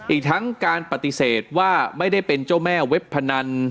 อีกทั้งการปฏิเสธว่าไม่ได้เป็นเจ้าแม่เว็บพนัน